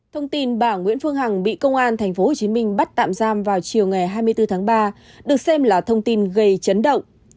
thông tin bà nguyễn phương hằng bị công an tp hcm bắt tạm giam vào chiều ngày hai mươi bốn tháng ba được xem là thông tin gây chấn động